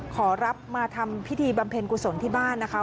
ขอรับมาทำพิธีบำเพ็ญกุศลที่บ้านนะคะ